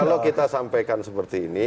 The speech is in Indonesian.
kalau kita sampaikan seperti ini